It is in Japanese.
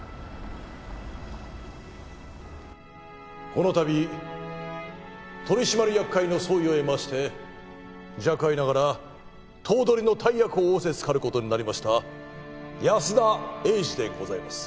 この度取締役会の総意を得まして若輩ながら頭取の大役を仰せ付かる事になりました安田英司でございます。